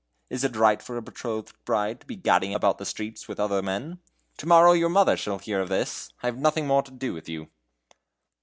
Is it right for a betrothed bride to be gadding at night about the streets with other men? To morrow your mother shall hear of this. I'll have nothing more to do with you!"